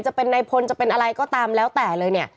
จะเป็นในพลจะเป็นอะไรก็ตามแล้วแต่เลยเนี่ย